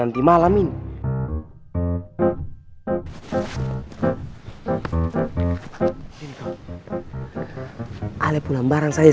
hazirl undang aeran ujung sorot ya byah